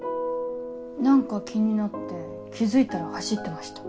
何か気になって気付いたら走ってました。